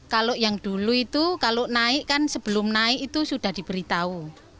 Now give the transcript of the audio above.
kalau yang dulu itu kalau naik kan sebelum naik itu sudah diberitahu